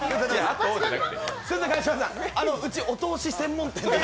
うちお通し専門店で。